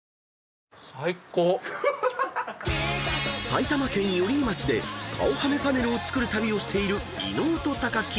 ［埼玉県寄居町で顔はめパネルを作る旅をしている伊野尾と木］